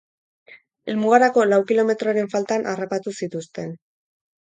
Helmugarako lau kilometroren faltan harrapatu zituzten.